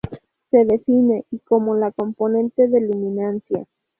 Se define Y como la componente de luminancia.